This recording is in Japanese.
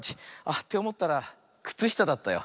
っておもったらくつしただったよ。